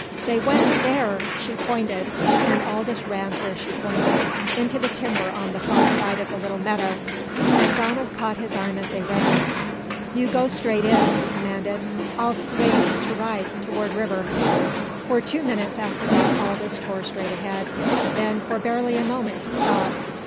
"They went there!" She pointed, and Aldous ran where she pointed into the timber on the far side of the little meadow. MacDonald caught his arm as they ran. "You go straight in," he commanded. "I'll swing to right toward river " For two minutes after that Aldous tore straight ahead. Then for barely a moment he stopped.